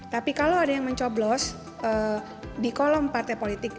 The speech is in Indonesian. tapi kalau ada yang mencoblos di kolom partai politik